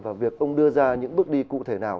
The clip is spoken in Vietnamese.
và việc ông đưa ra những bước đi cụ thể nào